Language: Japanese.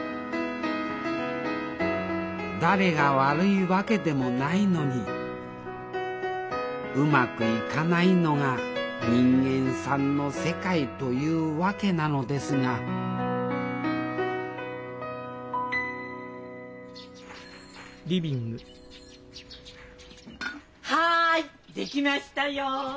誰が悪いわけでもないのにうまくいかないのが人間さんの世界というわけなのですがはい出来ましたよ。